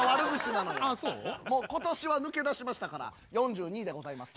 もう今年は抜け出しましたから４２位でございます。